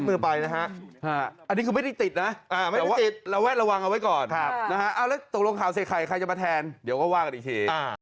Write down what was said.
เดี๋ยวก็ว่ากันอีกที